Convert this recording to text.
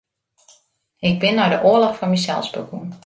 Ik bin nei de oarloch foar mysels begûn.